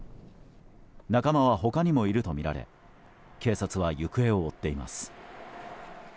仲間は他にもいるとみられ警察は行方を追っています。